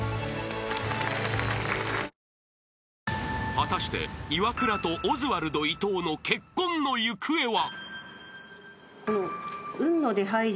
［果たしてイワクラとオズワルド伊藤の結婚の行方は？］